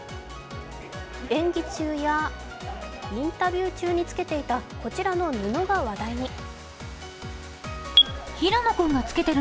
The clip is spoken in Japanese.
演技中やインタビュー中に着けていたこちらの布が話題に。